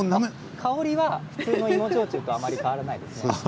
香りが普通の芋焼酎とあまり変わらないですね。